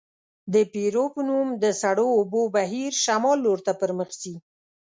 د پیرو په نوم د سړو اوبو بهیر شمال لورته پرمخ ځي.